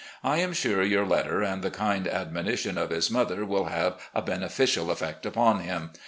I am sure your letter and the kind admonition of his mother will have a beneficial effect upon him.